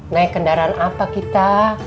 naik kendaraan apa kita